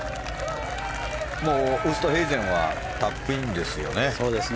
ウーストヘイゼンはタップインですよね。